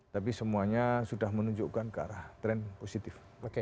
tapi semuanya sudah menunjukkan ke arah tren positif